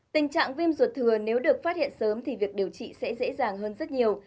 tình trạng viêm ruột thừa nếu được phát hiện sớm thì việc điều trị sẽ dễ dàng hơn rất nhiều